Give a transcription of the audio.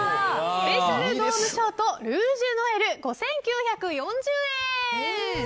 スペシャルドームショートルージュノエル、５９４０円。